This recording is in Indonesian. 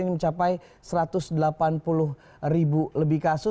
ini mencapai satu ratus delapan puluh ribu lebih kasus